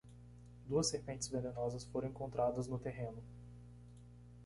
Duas serpentes venenosas foram encontradas no terreno